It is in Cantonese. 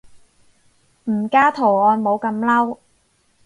唔加圖案冇咁嬲